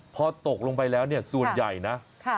พอตกลงไปแล้วเนี่ยส่วนใหญ่นะ